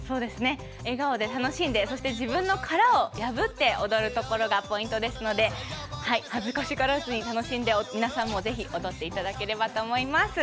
笑顔で楽しんでそして自分の殻を破って踊るところがポイントですので恥ずかしがらずに楽しんで皆さんも踊っていただければと思います。